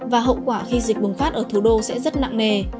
và hậu quả khi dịch bùng phát ở thủ đô sẽ rất nặng nề